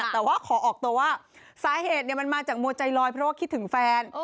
แต่ว่าขอออกตัวว่าสาเหตุมันมาจากมัวใจลอยเพราะว่าคิดถึงแฟน